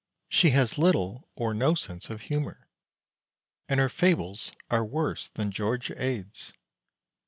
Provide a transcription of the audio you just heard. She has little or no sense of humor, And her fables are worse than George Ade's.